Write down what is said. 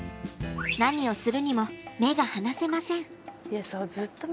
何をするにも目が離せません。